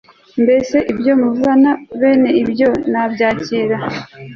Mbese ibyo muzana bene ibyo nabyakira